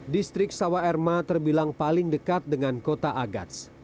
distrik sawa erma terbilang paling dekat dengan kota agats